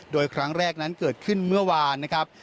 โดยครั้งแรกนั้นเกิดขึ้นเมื่อวานนะครับ